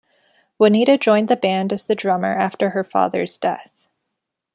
Juanita joined the band as the drummer after her father's death.